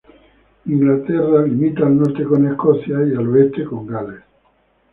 Inglaterra está bordeado al norte por Escocia y al oeste con Gales.